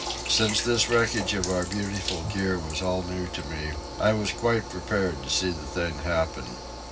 Since this wreckage of our beautiful gear was all new to me, I was quite prepared to see the thing happen.